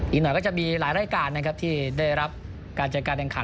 อีกหน่อยก็จะมีหลายรายการนะครับที่ได้รับการจัดการแข่งขัน